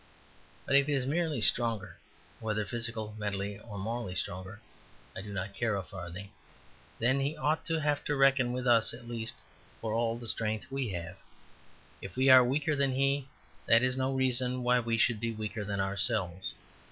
But if he is merely stronger (whether physically, mentally, or morally stronger, I do not care a farthing), then he ought to have to reckon with us at least for all the strength we have. It we are weaker than he, that is no reason why we should be weaker than ourselves.